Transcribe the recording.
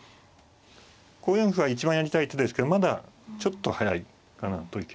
５四歩は一番やりたい手ですけどまだちょっと早いかなという気がします。